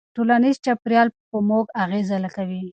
ټولنیز چاپېریال په موږ اغېزه کوي.